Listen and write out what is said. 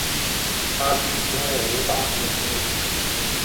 她几乎无法呼吸